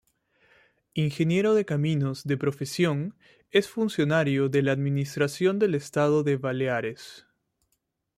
Ingeniero de caminos de profesión, es funcionario de la administración del Estado en Baleares.